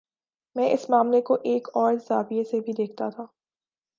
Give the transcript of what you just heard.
میں اس معاملے کوایک اور زاویے سے بھی دیکھتا تھا۔